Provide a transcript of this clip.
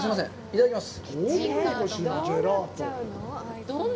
いただきます。